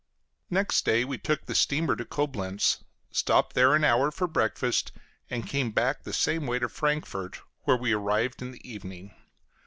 Next day we took the steamer to Coblenz, stopped there an hour for breakfast, and came back the same way to Frankfort, where we arrived in the evening.